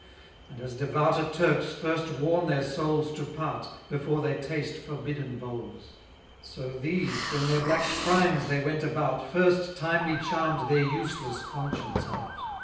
And as devouter Turks first warn their souls To part, before they taste forbidden bowls: So these, when their black crimes they went about, First timely charm'd their useless conscience out.